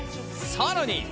さらに。